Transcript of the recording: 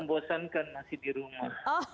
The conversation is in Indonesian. membosankan masih di rumah